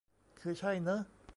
คือใช่เนอะ